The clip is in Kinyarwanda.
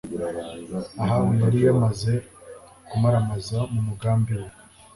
Ahabu yari yamaze kumaramaza mu mugambi we